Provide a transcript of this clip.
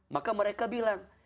maka mereka bilang